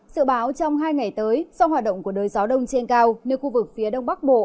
sự báo trong hai ngày tới sau hoạt động của đới gió đông trên cao nên khu vực phía đông bắc bộ